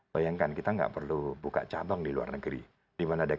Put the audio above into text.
bayangkan kita nggak perlu buka cabang di luar negeri di mana ada kb